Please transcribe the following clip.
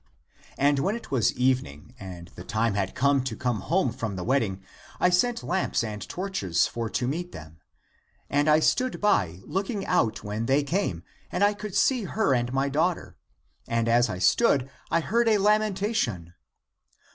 And when it was evening, and the time had come to come home from the wedding, I sent lamps and torches for to meet them, and I stood by, look ing out when they came, and I could see her and my daughter. And as I stood, I heard a lamenta tion.